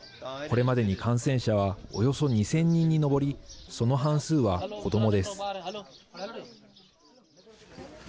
これまでに感染者はおよそ２０００人に上りその半数は子どもです。